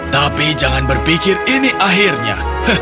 tapi jangan berpikir ini akhirnya